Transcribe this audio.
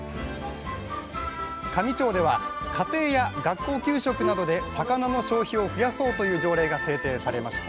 香美町では家庭や学校給食などで魚の消費を増やそうという条例が制定されました。